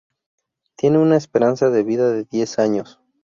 Tiene una esperanza de vida de diez años.